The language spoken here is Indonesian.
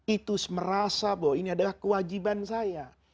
itu merasa bahwa ini adalah kewajiban saya